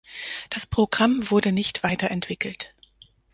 Das Programm wurde nicht weiterentwickelt.